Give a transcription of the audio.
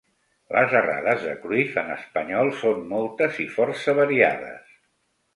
Les errades de Cruyff en espanyol són moltes i força variades.